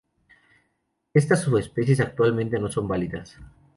Estas subespecies actualmente no son válidas.